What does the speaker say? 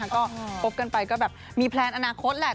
ก็พบกันไปก็แบบมีแพลนอนาคตแหละ